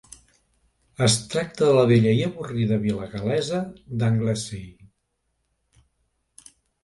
Es tracta de la bella i avorrida vila gal·lesa d'Anglesey.